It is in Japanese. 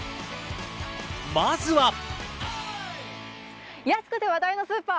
まずは。